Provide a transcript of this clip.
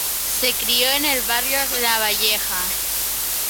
Se crio en el barrio Lavalleja.